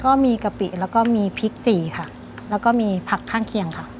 ก็มีกะปิแล้วก็มีพริกสี่ค่ะแล้วก็มีผักข้างเคียงค่ะ